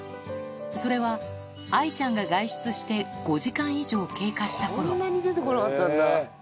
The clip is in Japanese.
それは愛ちゃんが外出して５時間以上経過したころ。